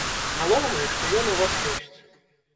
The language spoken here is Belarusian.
Галоўнае, што ён у вас ёсць.